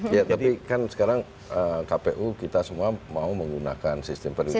iya tapi kan sekarang kpu kita semua mau menggunakan sistem perlindungan